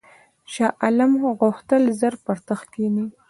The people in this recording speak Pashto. شاه عالم غوښتل ژر پر تخت کښېني.